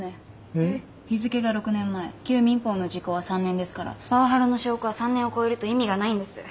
えっ？日付が６年前旧民法の時効は３年ですからパワハラの証拠は３年を超えると意味がないんです。